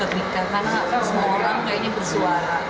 karena semua orang kayaknya bersuara